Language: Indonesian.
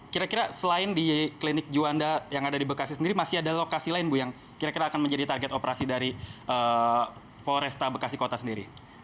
kira kira selain di klinik juanda yang ada di bekasi sendiri masih ada lokasi lain bu yang kira kira akan menjadi target operasi dari polresta bekasi kota sendiri